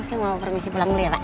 saya mau permisi pulang beli ya pak